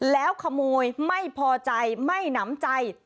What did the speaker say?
แล้วขโมยไม่พอใจไม่หนำใจ